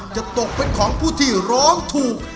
จะตกเป็นของผู้ที่ร้องถูก